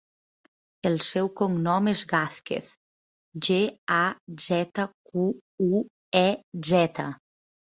El seu cognom és Gazquez: ge, a, zeta, cu, u, e, zeta.